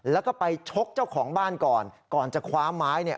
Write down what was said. แล้วก็ไปชกเจ้าของบ้านก่อนก่อนจะคว้าไม้เนี่ย